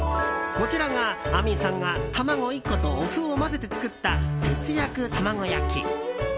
こちらが、あみんさんが卵１個とお麩を混ぜて作った節約卵焼き。